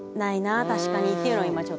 確かにっていうのは今ちょっと思いました。